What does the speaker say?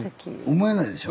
思えないでしょ？